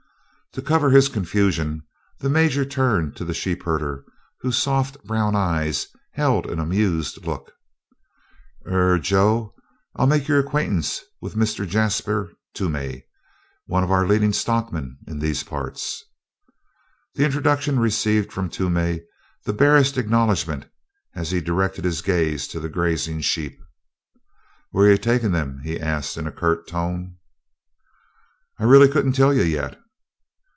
To cover his confusion, the Major turned to the sheepherder whose soft brown eyes held an amused look. "Er Joe I'll make you acquainted with Mr. Jasper Toomey, one of our leadin' stockmen in these parts." The introduction received from Toomey the barest acknowledgment as he directed his gaze to the grazing sheep. "Where you taking them?" he asked in a curt tone. "I really couldn't tell you yet."